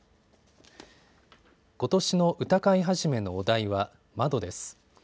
ことしの歌会始のお題は窓です。